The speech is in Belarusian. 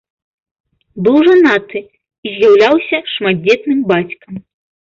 Быў жанаты і з'яўляўся шматдзетным бацькам.